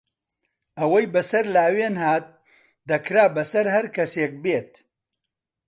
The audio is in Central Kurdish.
ئەوەی بەسەر لاوین هات، دەکرا بەسەر هەر کەسێک بێت.